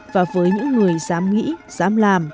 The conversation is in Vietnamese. và với những người dám nghĩ dám làm